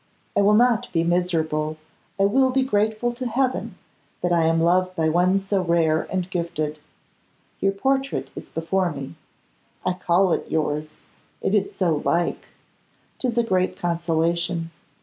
I will not be miserable, I will be grateful to Heaven that I am loved by one so rare and gifted. Your portrait is before me; I call it yours; it is so like! 'Tis a great consolation.